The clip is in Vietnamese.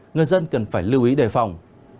người dân cần phải lưu ý đề phòng